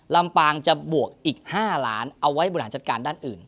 ลำปางจะบวกอีก๕ล้านเอาไว้บริหารจัดการด้านอื่น